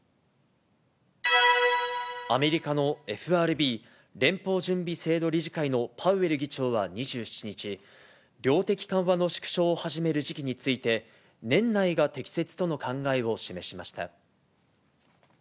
アメリカのＦＲＢ・連邦準備制度理事会のパウエル議長は２７日、量的緩和の縮小を始める時期について、年内が適切との考えを示しました。